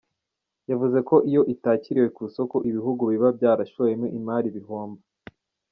Yavuze ko iyo atakiriwe ku isoko, ibihugu biba byarashoyemo imari bihomba.